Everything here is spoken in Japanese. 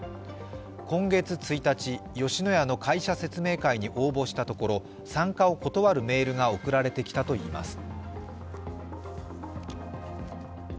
今月１日、吉野家の会社説明会に応募したところ、参加を断るメールが送られてきたといいます。